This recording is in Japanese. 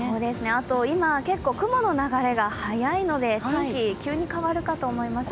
あと今、結構雲の流れが早いので天気、急に変わると思います。